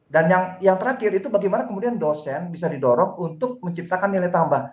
dan yang terakhir itu bagaimana kemudian dosen bisa didorong untuk menciptakan nilai tambah